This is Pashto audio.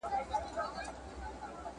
څېړونکی باید د ټولني په ستونزو پوه وي.